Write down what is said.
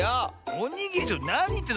おにぎりなにいってんの？